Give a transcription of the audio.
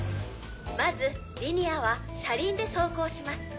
まずリニアは車輪で走行します。